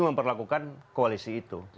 memperlakukan koalisi itu